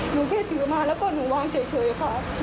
หนูแค่ถือมาแล้วก็หนูวางเฉยค่ะ